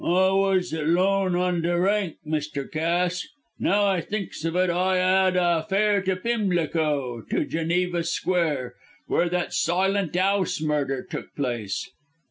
"I wos alone on the rank, Mr. Cass, now I thinks of it, and I 'ad a fare to Pimlico, to Geneva Square, where that Silent 'Ouse murder took place."